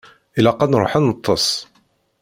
Ilaq ad nṛuḥ ad neṭṭeṣ.